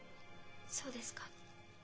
そうですか。